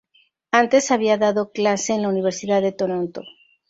Antes había dado clase en la Universidad de Toronto.